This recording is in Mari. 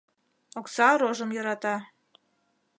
Окса рожым йӧрата.